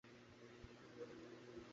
আমরা দেখেছি তুমি করতে গেলে কী হয়।